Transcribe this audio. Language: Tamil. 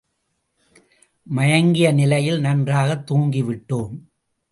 மயங்கிய நிலையில் நன்றாகத் தூங்கி விட்டோம்.